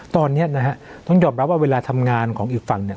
ตอนนี้นะฮะต้องยอมรับว่าเวลาทำงานของอีกฝั่งเนี่ย